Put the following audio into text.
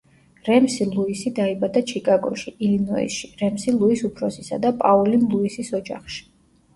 რემსი ლუისი დაიბადა ჩიკაგოში, ილინოისში რემსი ლუის უფროსისა და პაულინ ლუისის ოჯახში.